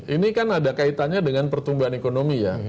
ini kan ada kaitannya dengan pertumbuhan ekonomi ya